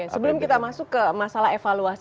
sebelum kita masuk ke masalah evaluasi